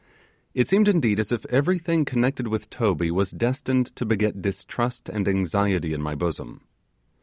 It seemed, indeed, as if everything connected with Toby was destined to beget distrust and anxiety in my bosom.